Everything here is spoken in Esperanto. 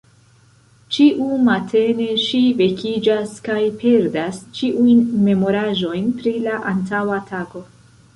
Ĉiu matene ŝi vekiĝas kaj perdas ĉiujn memoraĵojn pri la antaŭa tago.